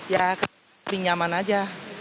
ya lebih nyaman aja